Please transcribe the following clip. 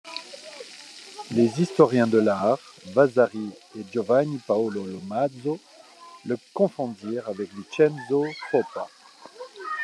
Les historiens de l'art, Vasari et Giovanni Paolo Lomazzo le confondirent avec Vincenzo Foppa.